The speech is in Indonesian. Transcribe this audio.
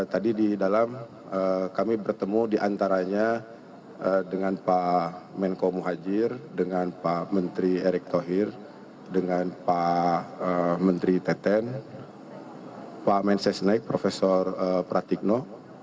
tadi di dalam kami bertemu di antaranya dengan pak menko muhajir dengan pak menteri erik tohir dengan pak menteri teten pak menses naik profesor pratikno